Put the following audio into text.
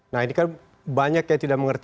nah ini kan banyak yang tidak mengerti